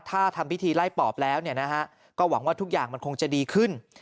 ถ้าทำพิธีไล่ปอบแล้วก็หวังว่าทุกอย่างมันคงจะดีขึ้น